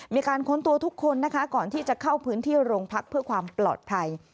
ค้นตัวทุกคนนะคะก่อนที่จะเข้าพื้นที่โรงพักเพื่อความปลอดภัย